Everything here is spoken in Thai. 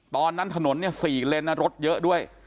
ตอนนั้นถนนเนี่ยสี่เลนรถเยอะด้วย